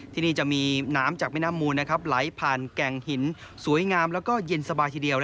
ที่นี่จะมีน้ำจากแม่น้ำมูลไหลผ่านแก่งหินสวยงามแล้วก็เย็นสบายทีเดียว